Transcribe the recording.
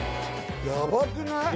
やばくない？